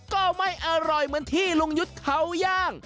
ก็ไม่อร่อยเหมือนที่ลุงยุทธ์เขาย่าง